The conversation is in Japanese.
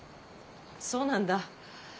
そうなんだ。